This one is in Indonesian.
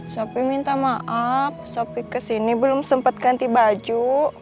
sopi minta maaf sopi kesini belum sempat ganti baju